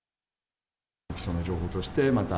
貴重な情報として、また、